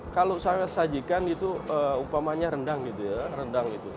kalau saya sajikan itu upamanya rendang